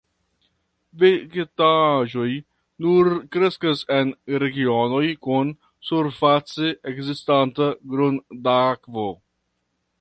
Vegetaĵoj nur kreskas en regionoj kun surface ekzistanta grundakvo.